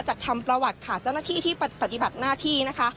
จัดทำประวัติค่ะเจ้าหน้าที่ที่ปฏิบัติหน้าที่นะคะ